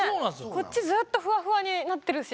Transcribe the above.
こっちずっとふわふわになってるし。